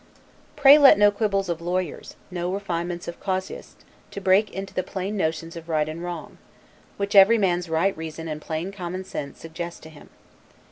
Pray let no quibbles of lawyers, no refinements of casuists, break into the plain notions of right and wrong, which every man's right reason and plain common sense suggest to him.